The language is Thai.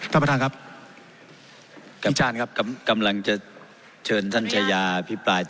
ท่านประทานครับพี่จานครับกำลังจะเชิญท่านชายาพี่ปลายต่อ